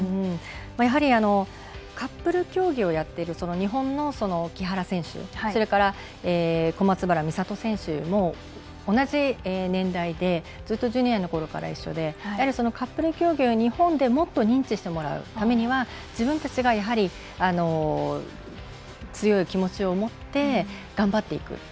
やはりカップル競技をやっている日本の木原選手、それから小松原美里選手も同じ年代でずっとジュニアのころから一緒でやはりカップル競技を日本でもっと認知してもらうためには自分たちが、強い気持ちを持って頑張っていく。